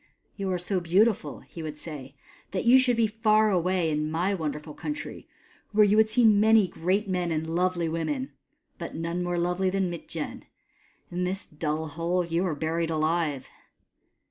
" You are so beautiful," he would say, " that you should be far away in my wonderful country, where you would see many great men and lovely women ; but none more lovely than Mitjen, In this dull hole you are buried alive."